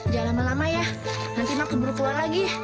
jangan lama lama ya nanti emak kembali keluar lagi